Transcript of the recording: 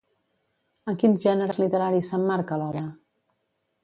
En quins gèneres literaris s'emmarca l'obra?